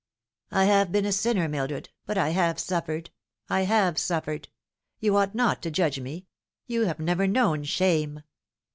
" I have been a sinner, Mildred ; but I have suffered I have suffered. You ought not to judge me. You have never known shame."